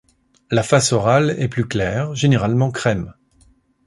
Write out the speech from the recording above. La face orale est plus claire, généralement crème.